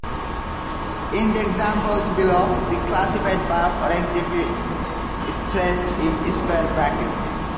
In the examples below, the classified verb or adjective is placed in square brackets.